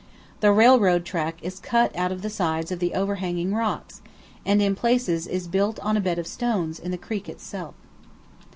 The railway track is cut out of the sides of the over hanging rocks, and in places is built on a bed of stones in the creek itself.